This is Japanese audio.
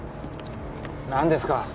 なんですか？